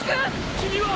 君は？